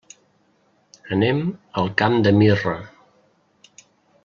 Anem al Camp de Mirra.